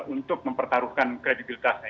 untuk mempertaruhkan kredibilitasnya